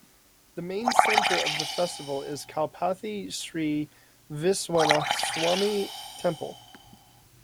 The main centre of the festival is Kalpathy Sree Viswanathaswamy temple.